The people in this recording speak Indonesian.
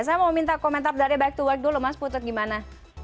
saya mau minta komentar dari back to work dulu mas putut gimana